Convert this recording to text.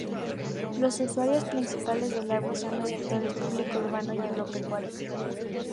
Los usuarios principales del agua son los sectores público–urbano y agropecuario.